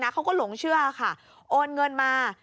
เขาก็หลงเชื่อค่ะโอนเงินมา